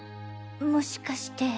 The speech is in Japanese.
もしかして。